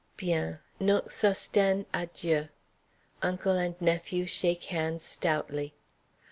"Bien, n'onc' Sosthène, adjieu." Uncle and nephew shake hands stoutly.